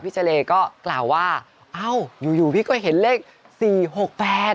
พี่เจเรนก็กล่าวว่าอ้าวอยู่พี่ก็เห็นเลขสี่หกแปด